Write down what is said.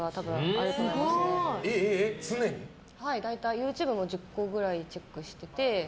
ＹｏｕＴｕｂｅも１０個くらいチェックしてて。